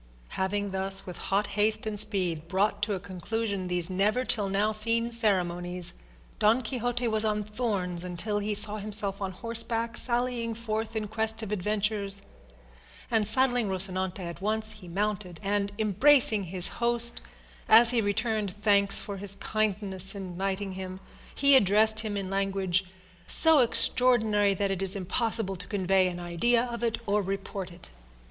Having thus, with hot haste and speed, brought to a conclusion these never till now seen ceremonies, Don Quixote was on thorns until he saw himself on horseback sallying forth in quest of adventures; and saddling Rocinante at once he mounted, and embracing his host, as he returned thanks for his kindness in knighting him, he addressed him in language so extraordinary that it is impossible to convey an idea of it or report it.